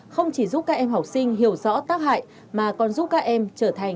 không chỉ giúp các em học sinh hiểu rõ tác hại mà còn giúp các em trở thành